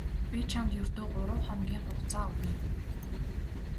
Би чамд ердөө гурав хоногийн хугацаа өгье.